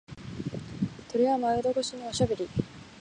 鳥が窓越しにおしゃべり。